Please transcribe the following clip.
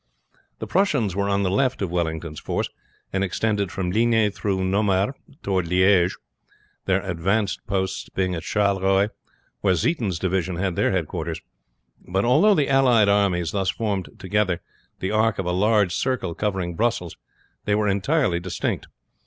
The Prussians were on the left of Wellington's force, and extended from Ligny through Namur toward Liege, their advanced posts being at Charleroi, where Zieten's division had their headquarters. But although the allied armies thus formed together the arc of a large circle covering Brussels, they were entirely distinct.